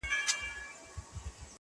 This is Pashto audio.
چي خاوند به یې روان مخ پر کوټې سو!!